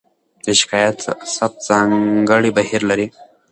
د شکایت ثبت ځانګړی بهیر لري.